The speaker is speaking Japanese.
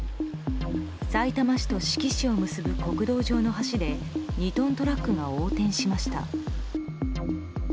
さいたま市と志木市を結ぶ国道上の橋で２トントラックが横転しました。